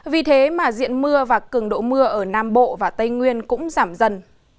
vì thế mà diện mưa và cường độ mưa ở nam bộ và tây nguyên cũng giảm dần